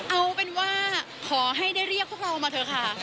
เอาเป็นว่าขอให้ได้เรียกพวกเรามาเถอะค่ะ